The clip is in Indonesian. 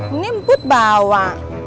ini but bawa